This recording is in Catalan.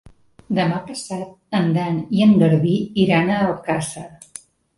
Demà passat en Dan i en Garbí iran a Alcàsser.